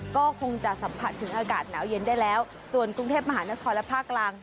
ก็คงจะสัมผัสถึงอากาศหนาวเย็นได้แล้วส่วนกรุงเทพมหานครและภาคกลาง